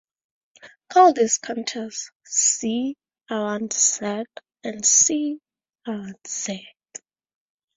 Call these contours "C" around "z" and "C" around "z".